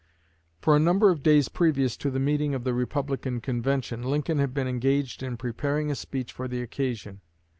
For a number of days previous to the meeting of the Republican convention Lincoln had been engaged in preparing a speech for the occasion.